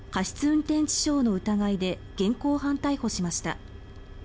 運転致傷の疑いで現行犯逮捕しました。